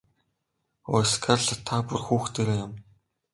Өө Скарлетт та бүр хүүхдээрээ юм.